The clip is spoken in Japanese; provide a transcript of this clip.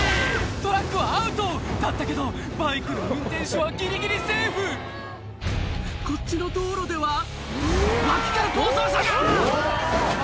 トラックはアウトだったけどバイクの運転手はギリギリセーフこっちの道路では脇から逃走車が！